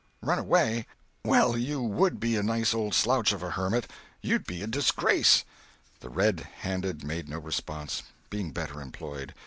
"Run away! Well, you would be a nice old slouch of a hermit. You'd be a disgrace." The Red Handed made no response, being better employed.